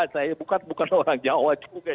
saya bukan orang jawa juga